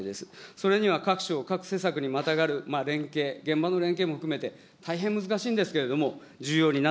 それには各省、各施策にまたがる連携、現場の連携も含めて、大変難しいんですけれども、重要にな